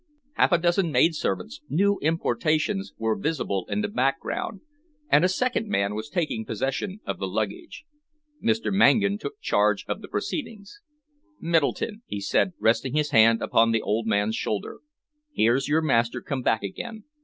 Half a dozen maidservants, new importations, were visible in the background, and a second man was taking possession of the luggage. Mr. Mangan took charge of the proceedings. "Middleton," he said, resting his hand upon the old man's shoulder, "here's your master come back again.